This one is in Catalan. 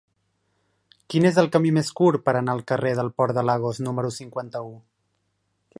Quin és el camí més curt per anar al carrer del Port de Lagos número cinquanta-u?